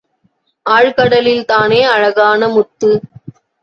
ஆழ்கடலில்தானே அழகான முத்து!